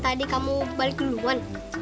tadi kamu balik duluan